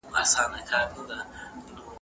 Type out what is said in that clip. حضوري زده کړه د ښوونکي لارښوونې واضح کړې دي.